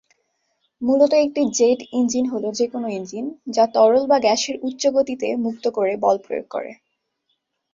মূলত একটি jet engine হলো যে কোন ইঞ্জিন যা তরল বা গ্যাসের উচ্চ গতিতে মুক্ত করে বল প্রয়োগ করে।